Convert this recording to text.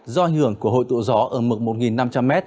do ảnh hưởng của hội tụ gió ở mực một năm trăm linh m